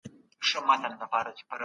ډیموکراسۍ په هیواد کي ریښې غځولې وې.